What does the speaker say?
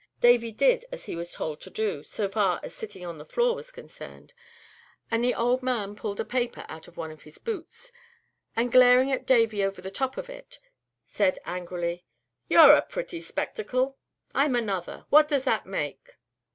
Davy did as he was told to do, so far as sitting down on the floor was concerned, and the old man pulled a paper out of one of his boots, and, glaring at Davy over the top of it, said, angrily: "You're a pretty spectacle! I'm another. What does that make?"